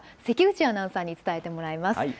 関口アナウンサーに伝えてもらいます。